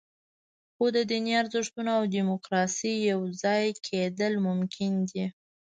خو د دیني ارزښتونو او دیموکراسۍ یوځای کېدل ممکن دي.